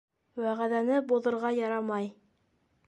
Вәғәҙәне боҙорға ярамай.